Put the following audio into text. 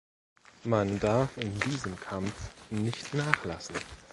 Man darf in diesem Kampf nicht nachlassen.